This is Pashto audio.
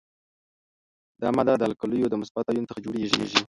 دا ماده د القلیو د مثبت آیون څخه جوړیږي.